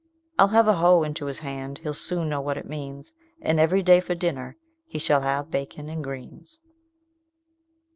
I'll put a hoe into his hand he'll soon know what it means, And every day for dinner, he shall have bacon and greens."